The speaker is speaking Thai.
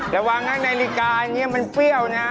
ระวังนะนาฬิกานี้มันเปรี้ยวนะ